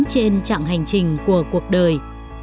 trên chặng hành trình của cuộc đời